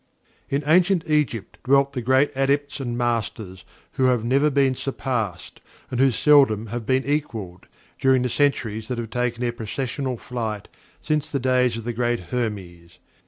In ancient Egypt dwelt the great Adepts and Masters who have never been surpassed, and who seldom have been equaled, during the centuries that have taken their processional flight since the days of the Great Hermes.